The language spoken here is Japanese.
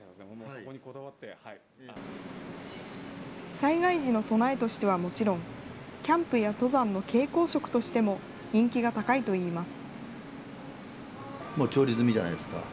災害時の備えとしてはもちろん、キャンプや登山の携行食としても、人気が高いといいます。